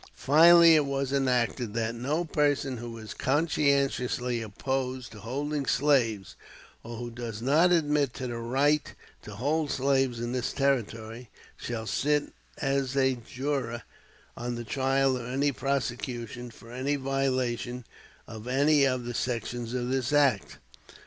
Finally it was enacted that "no person who is conscientiously opposed to holding slaves, or who does not admit the right to hold slaves in this Territory, shall sit as a juror on the trial of any prosecution for any violation of any of the sections of this act."